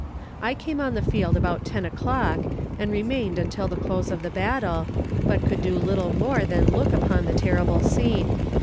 I came on the field about ten o'clock, and remained until the close of the battle, but could do little more than look upon the terrible scene.